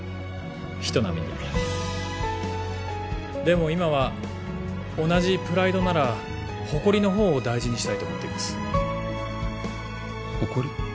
人並みにでも今は同じプライドなら誇りの方を大事にしたいと思っています誇り？